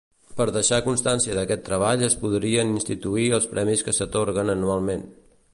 Per deixar constància d'aquest treball es podrien instituir els premis que s'atorguen anualment.